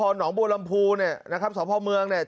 หนบวโรมพูเนี้ยนะครับสพเมืองเนี้ย